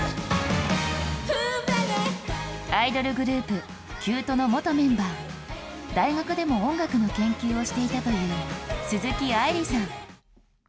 アイドルグループ、℃ーｕｔｅの元メンバー、大学でも音楽の研究をしていたという鈴木愛理さん。